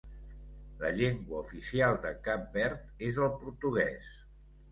La llengua oficial de Cap Verd és el portuguès.